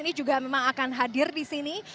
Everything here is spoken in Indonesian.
ini juga memang akan hadir di sini